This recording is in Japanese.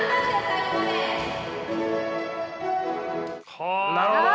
はあなるほど！